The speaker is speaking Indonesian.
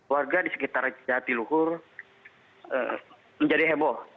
warga di sekitar jatiluhur menjadi heboh